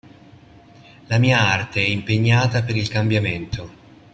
La mia arte è impegnata per il cambiamento".